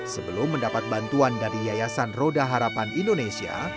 sebelum mendapat bantuan dari yayasan roda harapan indonesia